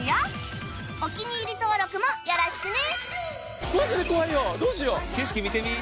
お気に入り登録もよろしくね